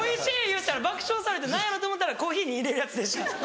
言うたら爆笑されて何やろう？と思ったらコーヒーに入れるやつでした。